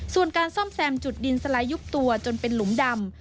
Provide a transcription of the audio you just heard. ส่วนการซ่อมแซมจุดดินสไลด์ยุบตัวจนเป็นหลุมดำ